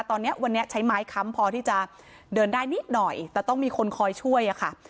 ตอนนี้วันนี้ใช้ไม้ค้ำพอที่จะเดินได้นิดหน่อยแต่ต้องมีคนคอยช่วยอะค่ะ